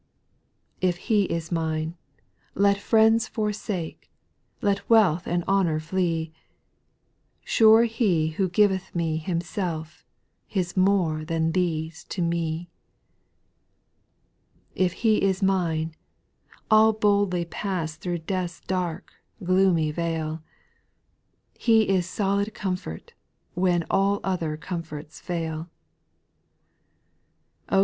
4. If He is mine, let friends forsake, Let wealth and honour flee, — Sure He who giveth me Himself, Is more than these to me. 5. If He is mine, I '11 boldly pass Through death's dark, gloomy vale ; He is solid comfort, when All other comforts fail 6.